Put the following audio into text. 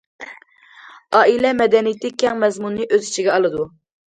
ئائىلە مەدەنىيىتى كەڭ مەزمۇننى ئۆز ئىچىگە ئالىدۇ.